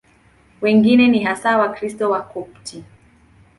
Wengine ni hasa Wakristo Wakopti.